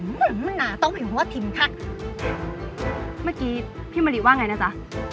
มันน่าต้องเห็นว่าทิมทักเมื่อกี้พี่มะลิว่าไงนะจ๊ะ